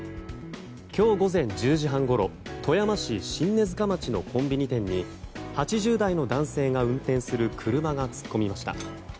今日午前１０時半ごろ富山市新根塚町のコンビニ店に８０代の男性が運転する車が突っ込みました。